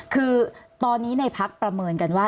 คือตอนนี้ในพักประเมินกันว่า